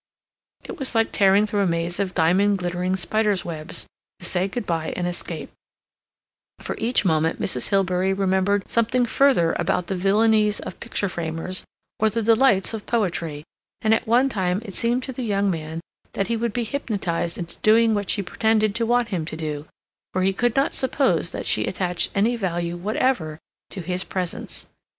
It was like tearing through a maze of diamond glittering spiders' webs to say good bye and escape, for at each movement Mrs. Hilbery remembered something further about the villainies of picture framers or the delights of poetry, and at one time it seemed to the young man that he would be hypnotized into doing what she pretended to want him to do, for he could not suppose that she attached any value whatever to his presence.